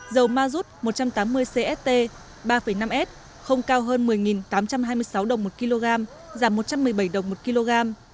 dầu mazut một trăm tám mươi cst ba năm s không cao hơn một mươi tám trăm hai mươi sáu đồng một kg giảm một trăm một mươi bảy đồng một kg